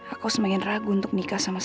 aku semakin ragu untuk nikah sama sama